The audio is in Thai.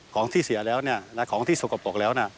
ของที่เสียแล้วของที่สกปรกแล้ว